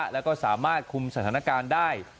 แล้วก็สามารถคุมสถานการณ์ได้